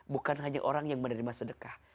bukan hanya orang yang menerima sedekah